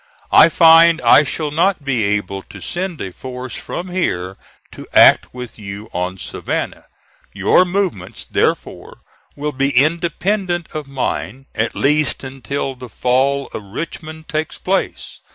I find I shall not be able to send a force from here to act with you on Savannah. Your movements, therefore, will be independent of mine; at least until the fall of Richmond takes place.